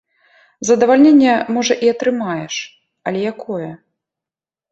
Задавальненне можа і атрымаеш, але якое?